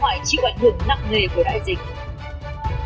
phải chịu ảnh hưởng nặng nghề của đại dịch